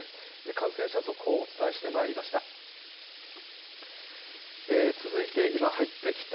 感染者速報をお伝えしてまいりました。